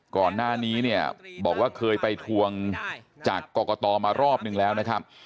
ก่อนหน้านี้เนี่ยบอกว่าเคยไปทวงจากกรกตมารอบนึงแล้วนะครับ